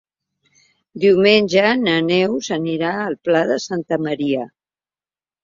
Diumenge na Neus anirà al Pla de Santa Maria.